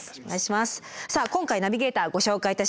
さあ今回ナビゲーターご紹介いたします。